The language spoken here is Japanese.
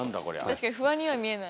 確かに不安には見えない。